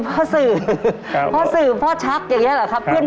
พ่อสื่อพ่อชักอย่างนี้แหละครับ